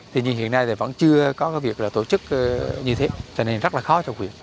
thế nhưng hiện nay thì vẫn chưa có cái việc là tổ chức như thế cho nên rất là khó cho huyện